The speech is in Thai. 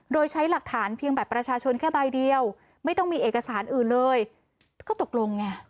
โดยใช้หลักฐานเพียงบัตรประชาชนแค่ใบเดียวไม่ต้องมีเอกสารอื่นเลยก็ตกลงไง